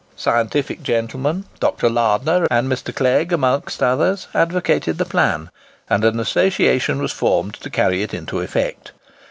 Scientific gentlemen, Dr. Lardner and Mr. Clegg amongst others, advocated the plan; and an association was formed to carry it into effect.